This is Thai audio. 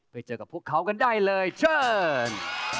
ไปเจอกับพวกเขากันได้เลยเชิญ